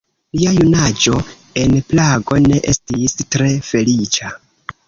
Lia junaĝo en Prago ne estis tre feliĉa.